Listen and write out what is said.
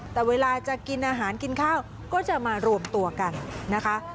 แต่เวลาจะกินอาหารกินข้าวก็จะมารวมตัวกันนะคะ